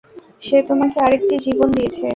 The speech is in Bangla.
সে তোমাকে আরেকটি জীবন দিয়েছে।